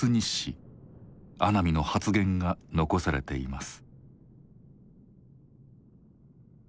阿南の発言が残されています。